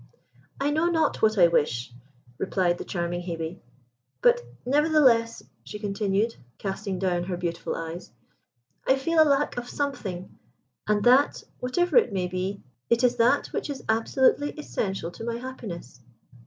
"I know not what I wish," replied the charming Hebe. "But nevertheless," she continued, casting down her beautiful eyes, "I feel a lack of something, and that, whatever it may be, it is that which is absolutely essential to my happiness."